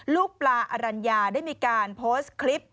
ลูกปลาอรัญญาได้มีการโพสต์คลิป